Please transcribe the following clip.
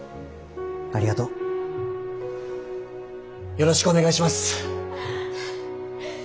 よろしくお願いします！